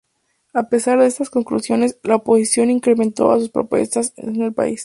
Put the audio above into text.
A pesar de estas conclusiones la oposición incrementó sus protestas en el país.